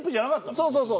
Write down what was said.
そうそうそう。